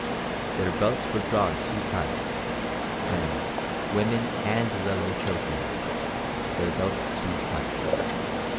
Their belts were drawn too tight men, women, and little children their belts too tight.